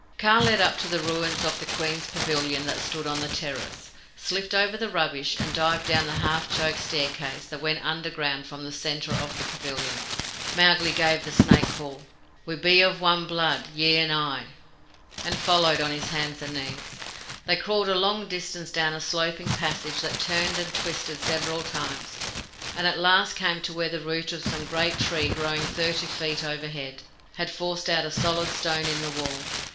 Kaa led up to the ruins of the queens' pavilion that stood on the terrace, slipped over the rubbish, and dived down the half choked staircase that went underground from the centre of the pavilion. Mowgli gave the snake call, "We be of one blood, ye and I," and followed on his hands and knees. They crawled a long distance down a sloping passage that turned and twisted several times, and at last came to where the root of some great tree, growing thirty feet overhead, had forced out a solid stone in the wall.